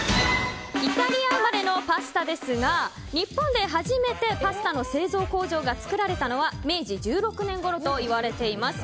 イタリア生まれのパスタですが日本で初めてパスタの製造工場が作られたのは明治１６年ごろといわれています。